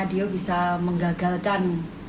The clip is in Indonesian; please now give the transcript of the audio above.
ya nadeo bisa menggagalkan